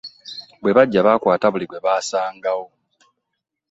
Bwe bajja bakwata buli gwe basangawo.